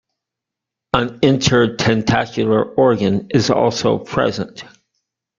An intertentacular organ is also present.